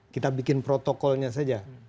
kita bikin protokolnya saja